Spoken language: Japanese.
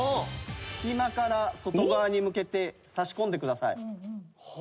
隙間から外側に向けて差し込んでください。